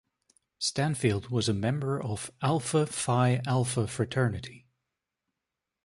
Stanfield was a member of Alpha Phi Alpha fraternity.